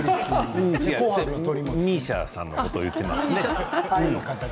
ＭＩＳＩＡさんのこと言っていますね。